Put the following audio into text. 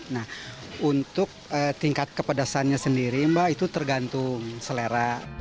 nah untuk tingkat kepedasannya sendiri mbak itu tergantung selera